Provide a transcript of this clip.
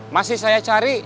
masih saya cari